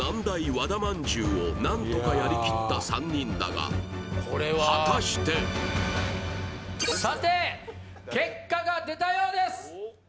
和田まんじゅうを何とかやりきった３人だが果たしてさて結果が出たようです